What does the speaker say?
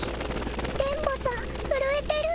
電ボさんふるえてる。